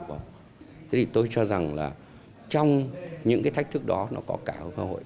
thế thì tôi cho rằng là trong những cái thách thức đó nó có cả hợp hội